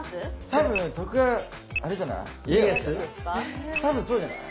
多分そうじゃない？